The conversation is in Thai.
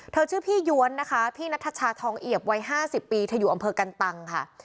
ชื่อพี่ย้วนนะคะพี่นัทชาทองเอียบวัย๕๐ปีเธออยู่อำเภอกันตังค่ะ